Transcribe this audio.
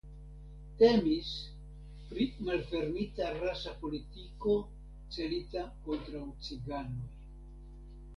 Temis pri malfermita rasa politiko celita kontraŭ ciganoj.